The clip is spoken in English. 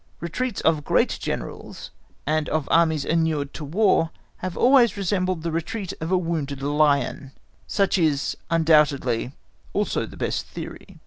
Retreats of great Generals and of Armies inured to War have always resembled the retreat of a wounded lion, such is, undoubtedly, also the best theory.